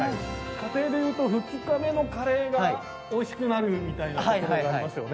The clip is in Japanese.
家庭でいうと２日目のカレーがおいしくなるみたいなところがありますよね。